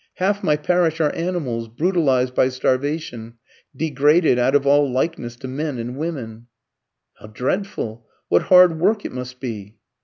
Half my parish are animals, brutalised by starvation, degraded out of all likeness to men and women." "How dreadful! What hard work it must be!"